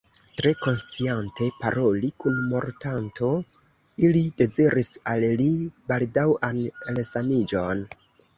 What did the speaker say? Tre konsciante paroli kun mortanto, ili deziris al li baldaŭan resaniĝon.